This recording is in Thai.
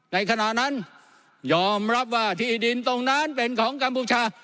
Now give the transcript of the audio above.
ในขณะนั้นยอมรับว่าที่ดินตรงนั้นเป็นของกัมพูชา